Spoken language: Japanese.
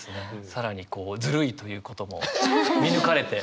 更にこうずるいということも見抜かれて。